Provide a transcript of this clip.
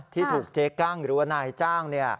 ที่ถูกเจ๊กั้งหรือว่านายจ้าง